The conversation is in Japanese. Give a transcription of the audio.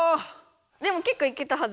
でも結構いけたはず。